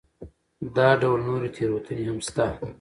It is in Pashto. دا ډول نورې تېروتنې هم شته.